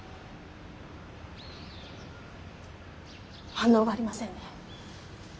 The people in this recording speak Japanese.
反応がありませんね。